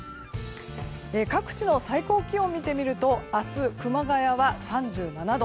各地の最高気温を見てみると明日、熊谷は３７度。